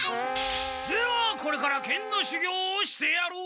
ではこれから剣のしゅぎょうをしてやろう！